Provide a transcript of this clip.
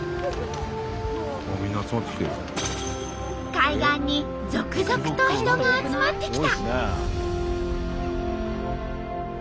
海岸に続々と人が集まってきた。